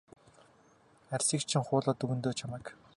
Арьсыг чинь хуулаад өгнө дөө чамайг.